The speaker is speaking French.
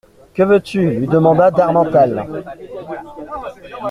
Que veux-tu ? lui demanda d'Harmental.